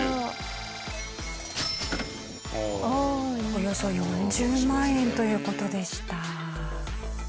およそ４０万円という事でした。